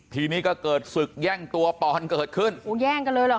ทีนี้ก็เกิดศึกแย่งตัวปอนเกิดขึ้น